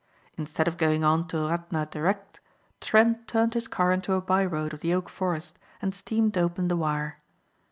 Instead of going on to Radna direct Trent turned his car into a byroad of the oak forest and steamed open the wire.